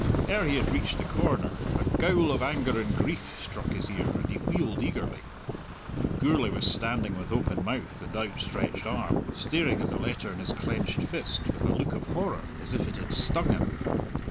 Ere he had reached the corner, a gowl of anger and grief struck his ear, and he wheeled eagerly. Gourlay was standing with open mouth and outstretched arm, staring at the letter in his clenched fist with a look of horror, as if it had stung him.